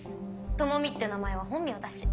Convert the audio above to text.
朋美って名前は本名だし。